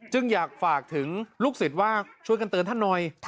อยากฝากถึงลูกศิษย์ว่าช่วยกันเตือนท่านหน่อย